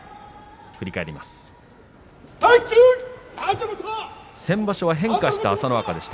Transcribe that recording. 振り返ります。